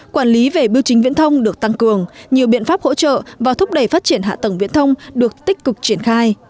quản lý về bưu chính viễn thông được tăng cường nhiều biện pháp hỗ trợ và thúc đẩy phát triển hạ tầng viễn thông được tích cực triển khai